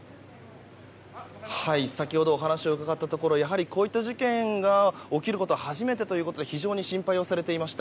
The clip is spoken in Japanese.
先ほどお話を伺ったところやはりこういった事件が起きることは初めてということで非常に心配されていました。